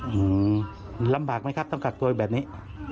อืมลำบากไหมครับต้องกักตัวแบบนี้